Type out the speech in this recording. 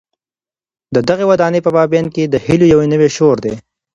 د دغي ودانۍ په مابينځ کي د هیلو یو نوی شور دی.